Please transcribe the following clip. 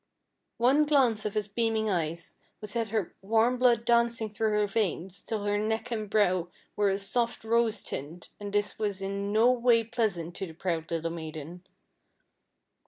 One glance of his beaming eyes would set her warm blood dancing through her veins till her neck and brow were a soft rose tint, and this was in no way pleasant to the proud little maiden.